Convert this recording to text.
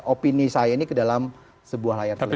opini saya ini ke dalam sebuah layar televi